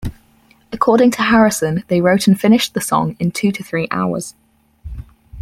According to Harrison, they wrote and finished the song in two to three hours.